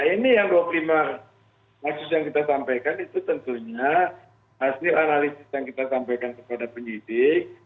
ini yang dua puluh lima kasus yang kita sampaikan itu tentunya hasil analisis yang kita sampaikan kepada penyidik